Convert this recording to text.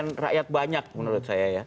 peran rakyat banyak menurut saya ya